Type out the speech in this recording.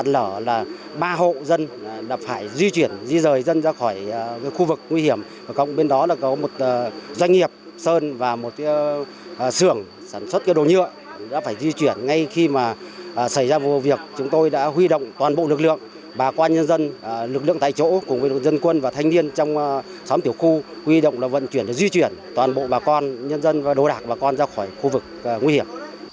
lực lượng tại chỗ cùng với dân quân và thanh niên trong xóm tiểu khu quy động là vận chuyển và di chuyển toàn bộ bà con nhân dân và đồ đạc bà con ra khỏi khu vực nguy hiểm